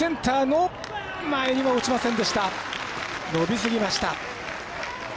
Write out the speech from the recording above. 伸びすぎました。